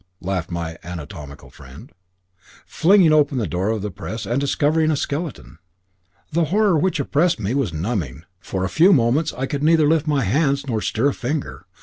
laughed my anatomical friend, flinging open the door of the press and discovering a skeleton. The horror which oppressed me was numbing. For a few moments I could neither lift my hands nor stir a finger.